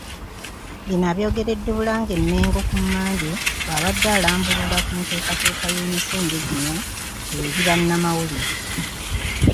Bino abyogeredde Bulange Mmengo ku Mmande bw'abadde alambulula ku nteekateeka y'emisinde gino eri bannamawulire.